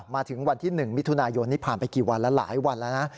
มาถึงวันที่๑มิถุนายนนี่ผ่านไปกี่วันแล้วหลายวันแล้วนะ